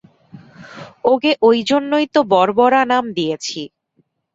ওকে ঐজন্যেই তো বর্বরা নাম দিয়েছি।